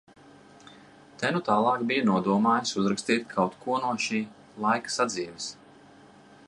Te nu tālāk biju nodomājis uzrakstīt kaut ko no šī laika sadzīves.